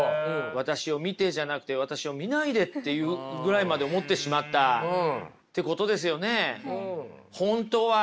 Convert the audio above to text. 私を見てじゃなくて私を見ないでっていうぐらいまで思ってしまったってことですよね。